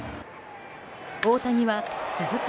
大谷は続く